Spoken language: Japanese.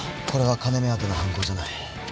これは金目当ての犯行じゃない。